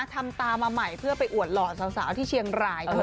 ทำตามมาใหม่เพื่อไปอวดหล่อสาวที่เชียงราย